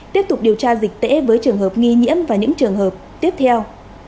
tiếp tục điều tra dịch tễ với trường hợp nghi nhiễm và những trường hợp tiếp theo